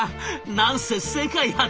なんせ世界初だ。